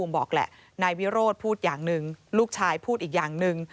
บอกแหละนายวิโรธพูดอย่างหนึ่งลูกชายพูดอีกอย่างหนึ่ง